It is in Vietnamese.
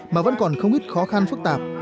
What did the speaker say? mà vẫn còn không ít khó khăn phức tạp